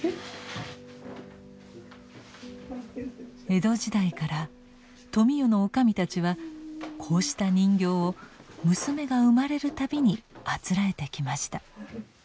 江戸時代から富美代の女将たちはこうした人形を娘が生まれる度にあつらえてきました。